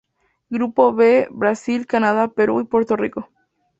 Grupo B: Brasil, Canadá, Perú, y Puerto Rico